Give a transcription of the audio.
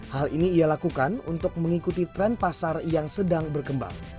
hal ini ia lakukan untuk mengikuti tren pasar yang sedang berkembang